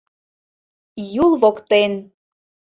ЮЛ ВОКТЕН